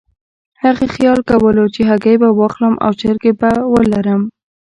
هغې خیال کولو چې هګۍ به واخلم او چرګې به ولرم.